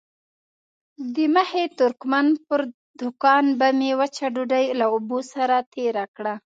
د مخي ترکمن پر دوکان به مې وچه ډوډۍ له اوبو سره تېره کړه.